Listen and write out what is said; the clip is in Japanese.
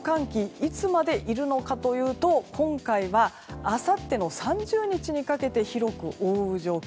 いつまでいるのかというと今回はあさっての３０日にかけて広く覆う状況。